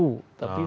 tidak efektif lagi